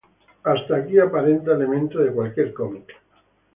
Hasta aquí aparenta elementos de cualquier cómic.